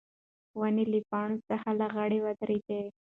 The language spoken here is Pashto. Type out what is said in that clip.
ونه له پاڼو څخه لغړه ودرېده.